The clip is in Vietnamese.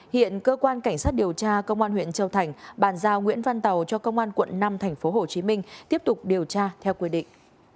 hiện cơ quan cảnh sát điều tra công an huyện châu thành bàn giao nguyễn văn tàu cho công an quận năm tp hcm tiếp tục điều tra theo quy định